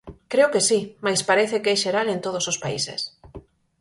Creo que si, mais parece que é xeral en todos os países.